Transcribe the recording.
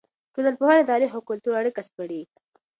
ټولنپوهنه د تاریخ او کلتور اړیکه سپړي.